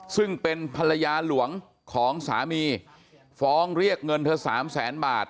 ซึ่งเป็นภรรยาหลวงของสามีฟ้องเรียกเงินเธอสามแสนบาท